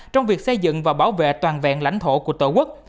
trong việc xây dựng và bảo vệ toàn vẹn lãnh thổ của tổ quốc